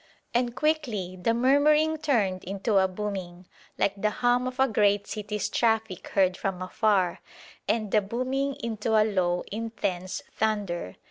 And quickly the murmuring turned into a booming, like the hum of a great city's traffic heard from afar; and the booming into a low intense thunder.